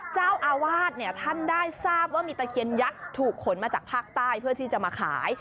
เจ้าอาวาสเนี่ยท่านได้ทราบว่ามีตะเคียนยักษ์ถูกขนมาจากภาคใต้เพื่อที่จะมาขาย